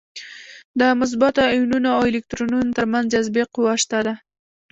د مثبتو ایونونو او الکترونونو تر منځ جاذبې قوه شته ده.